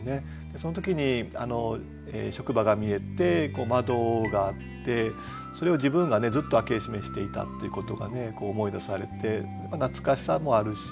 その時に職場が見えて窓があってそれを自分がずっと開け閉めしていたっていうことが思い出されて懐かしさもあるし